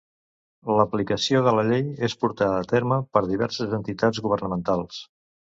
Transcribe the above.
L'aplicació de la llei és portada a terme per diverses entitats governamentals.